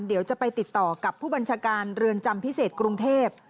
เดี๋ยวจะไปติดต่อกับผู้บัญชาการเรือนจำพิเศษกรุงเทพ